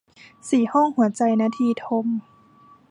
สี่ห้องหัวใจ - นทีทม